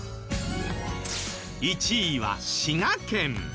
１位は滋賀県。